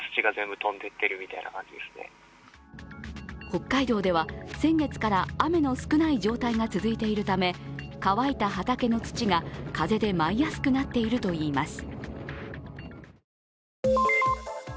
北海道では先月から雨の少ない状態が続いているため、乾いた畑の土が風で舞いやすくなっているといいます。